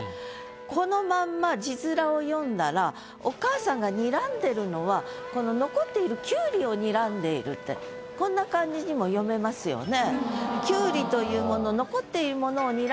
このまんま字面を読んだらお母さんがにらんでるのはこのにらんでいるってこんな感じにも読めますよね。